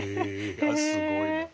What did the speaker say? いやすごいな。